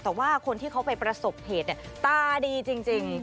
แต่ว่าคนที่เขาไปประสบเหตุตาดีจริง